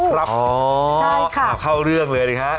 อ๋อหลังเข้าเรื่องเลยครับ